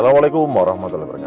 nanti aku pakai pintarnya